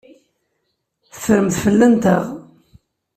Teffremt fell-anteɣ.